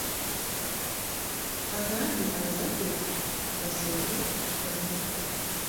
Twagambye abazadde basooke bekomeko.